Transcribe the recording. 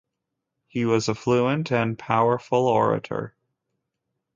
He was a fluent and powerful orator.